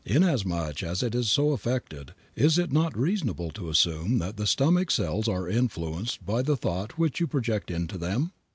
Inasmuch as it is so affected, is it not reasonable to assume that the stomach cells are influenced by the thought which you project into them?